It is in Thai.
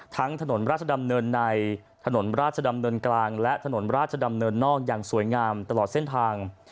ถนนราชดำเนินในถนนราชดำเนินกลางและถนนราชดำเนินนอกอย่างสวยงามตลอดเส้นทาง